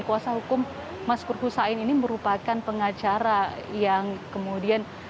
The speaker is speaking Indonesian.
dan kuasa hukum maskur husain ini merupakan pengacara yang kemudian